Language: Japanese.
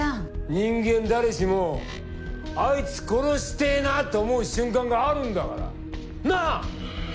人間誰しも「あいつ殺してぇな！」と思う瞬間があるんだから。なぁ？